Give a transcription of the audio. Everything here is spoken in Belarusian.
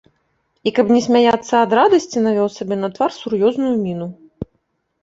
І каб не смяяцца ад радасці, навёў сабе на твар сур'ёзную міну.